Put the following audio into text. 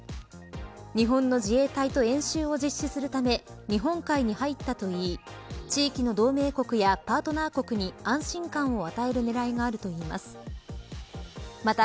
日本の自衛隊と演習を実施するため日本海に入ったといい地域の同盟国やパートナー国に安心感を与える狙いがあるといいます。